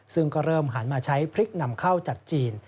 ซึ่งก็เริ่มหันมาใช้พริกนำเข้าจากจีน